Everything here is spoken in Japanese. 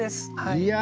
いや。